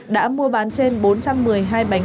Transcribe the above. đã mua bán trên bốn trăm một mươi hai bánh